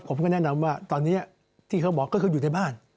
ผมก็แนะนำว่าตอนนี้ที่เขาบอกก็คืออยู่ในบ้าน